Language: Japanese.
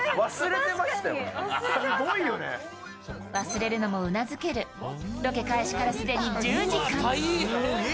忘れるのもうなずけるロケ開始から既に１０時間。